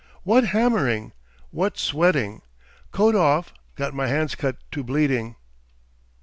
What hammering! what sweating! Coat off; got my hands cut to bleeding."